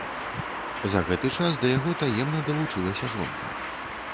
За гэты час да яго таемна далучылася жонка.